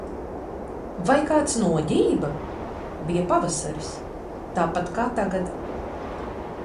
Vai kāds noģība? Bija pavasaris. Tāpat kā tagad.